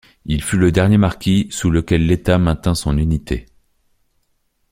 Il fut le dernier marquis sous lequel l'État maintint son unité.